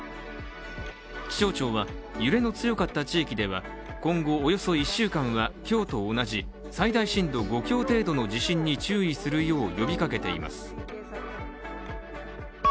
気象庁は、揺れの強かった地域では今後およそ１週間は今日と同じ最大震度５強程度の地震に注意するよう呼びかけています。